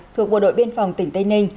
thuộc bộ đội biên phòng tỉnh tây ninh